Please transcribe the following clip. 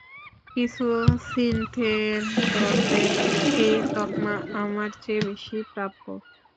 কিছু সিনথিয়েন্টসের এই তকমা আমার চেয়ে বেশি প্রাপ্য।